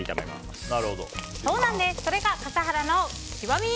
それが笠原の極み。